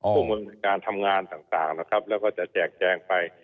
ผู้มือธนิการทำงานต่างแล้วก็จะแจกแจงไป